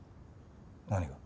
何が？